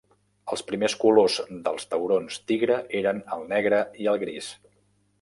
Els primers colors dels taurons tigre eren el negre i el gris.